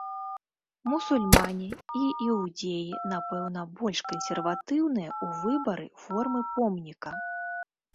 Мусульмане і іўдзеі, напэўна, больш кансерватыўныя ў выбары формы помніка.